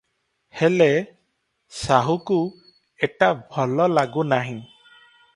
ହେଲେ; ସାହୁକୁ ଏଟା ଭଲ ଲାଗୁନାହିଁ ।